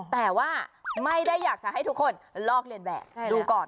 แต่ว่าไม่ได้อยากจะให้ทุกคนลอกเรียนแบบดูก่อน